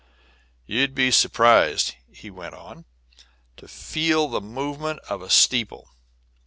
"You would be surprised," he went on, "to feel the movement of a steeple.